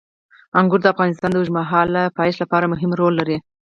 انګور د افغانستان د اوږدمهاله پایښت لپاره مهم رول لري.